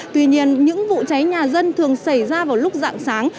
tuy nhiên những vụ cháy nhà dân thường xảy ra vào lúc dạng sáng